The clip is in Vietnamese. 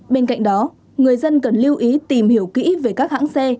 bên cạnh đó người dân cần lưu ý tìm hiểu kỹ về các hãng xe